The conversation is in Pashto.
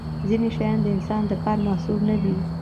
ځینې شیان د انسان د کار محصول نه دي.